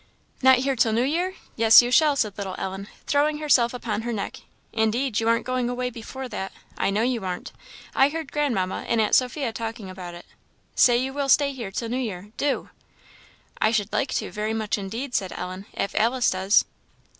"Not here till New Year! yes, you shall," said little Ellen, throwing herself upon her neck; "indeed you aren't going away before that. I know you aren't I heard Grandmamma and Aunt Sophia talking about it. Say you will stay here till New Year do!" "I should like to, very much indeed," said Ellen, "if Alice does."